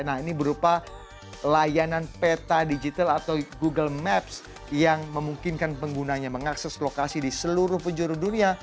nah ini berupa layanan peta digital atau google maps yang memungkinkan penggunanya mengakses lokasi di seluruh penjuru dunia